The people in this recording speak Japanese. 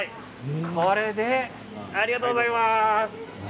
ありがとうございます。